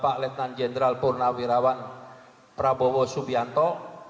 kebetulan prabowo subianto